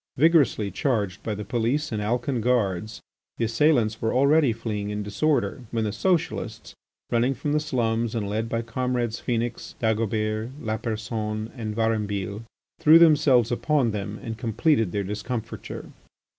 Vigorously charged by the police and Alcan guards, the assailants were already fleeing in disorder, when the Socialists, running from the slums and led by comrades Phœnix, Dagobert, Lapersonne, and Varambille, threw themselves upon them and completed their discomfiture.